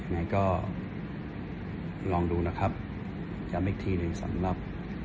ไงก็ลองดูนะครับย้ำอีกทีเลยสำหรับ